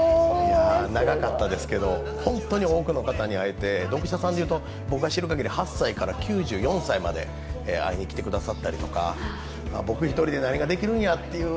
長かったですけど、本当に多くの方に会えて、読者さんで言うと８歳から９４歳まで会いに来てくださったりとか、僕一人で何ができるんやという